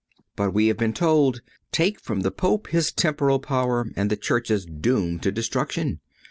But we have been told: "Take from the Pope his Temporal power and the Church is doomed to destruction.